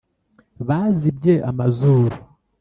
bazibye amazuru